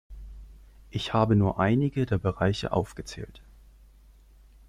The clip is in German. Ich habe nur einige der Bereiche aufgezählt.